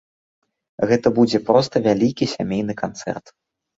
Гэта будзе проста вялікі сямейны канцэрт.